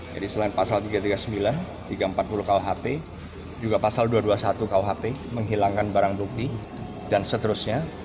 jadi selain pasal tiga ratus tiga puluh sembilan tiga ratus empat puluh kuhp juga pasal dua ratus dua puluh satu kuhp menghilangkan barang bukti dan seterusnya